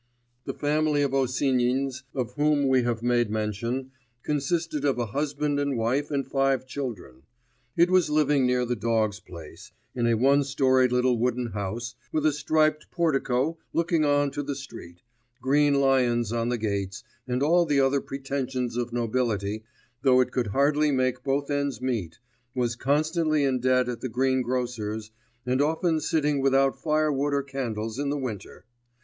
The family of Osinins, of whom we have made mention, consisted of a husband and wife and five children. It was living near the Dogs' Place, in a one storied little wooden house, with a striped portico looking on to the street, green lions on the gates, and all the other pretensions of nobility, though it could hardly make both ends meet, was constantly in debt at the green grocer's, and often sitting without firewood or candles in the winter.